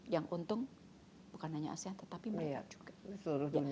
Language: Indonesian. yang untung bukan hanya asean tetapi mereka juga